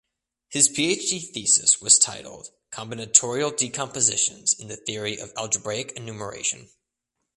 His PhD thesis was titled "Combinatorial Decompositions in the Theory of Algebraic Enumeration".